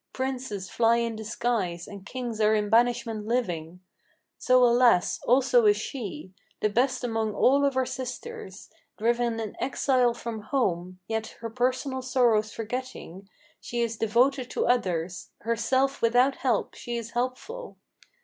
Princes fly in disguise and kings are in banishment living. So alas! also is she, the best among all of her sisters, Driven an exile from home; yet, her personal sorrows forgetting, She is devoted to others; herself without help, she is helpful.